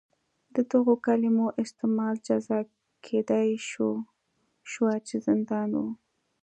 د دغو کلیمو استعمال جزا کېدای شوه چې زندان و.